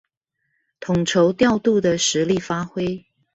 統籌調度的實力發揮